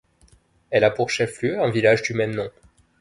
Elle a pour chef lieu un village du même nom.